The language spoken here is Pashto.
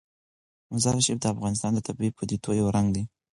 مزارشریف د افغانستان د طبیعي پدیدو یو رنګ دی.